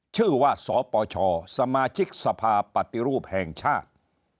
ชื่อว่าสปชสมาชิกสภาปฏิรูปแห่งชาติ